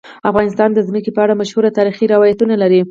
افغانستان د ځمکه په اړه مشهور تاریخی روایتونه لري.